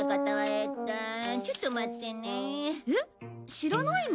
知らないの？